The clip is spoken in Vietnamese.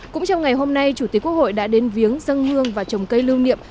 cũng trong ngày hôm nay chủ tịch quốc hội đã đến viếng dân hương và trồng cây lưu niệm